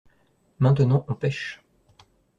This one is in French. Maintenant on pêche.